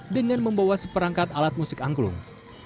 dengan membawa seperangkat alat musik angklung